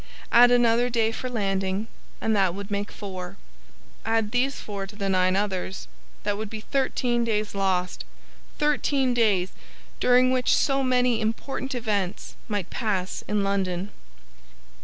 Add another day for landing, and that would make four. Add these four to the nine others, that would be thirteen days lost—thirteen days, during which so many important events might pass in London.